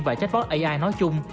và jack bot ai nói chung